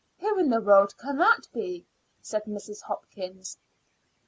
"Who in the world can that be?" said Mrs. Hopkins.